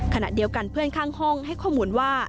ขณะเดียวกันเพื่อนข้างห้องให้ข้อมูลว่า